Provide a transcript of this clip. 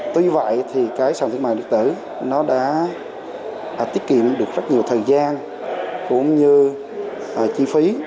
tuy vậy thì cái sàn thương mại điện tử nó đã tiết kiệm được rất nhiều thời gian cũng như chi phí